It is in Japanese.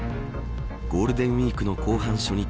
ゴールデンウイークの後半初日